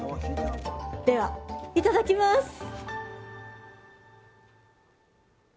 ではいただきます！